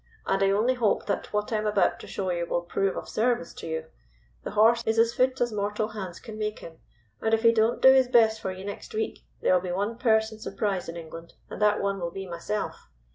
"And I only hope that what I am about to show you will prove of service to you. The horse is as fit as mortal hands can make him, and if he don't do his best for you next week there will be one person surprised in England, and that one will be myself.